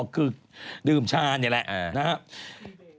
คือดื่มชานี่แหละนะครับ